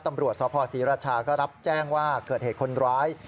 ตำรวจสภศรีราชาก็รับแจ้งว่าเกิดเหตุคนร้าย